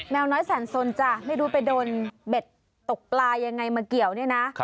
วน้อยแสนสนจ้ะไม่รู้ไปโดนเบ็ดตกปลายังไงมาเกี่ยวเนี่ยนะ